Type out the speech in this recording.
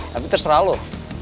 tapi terserah lo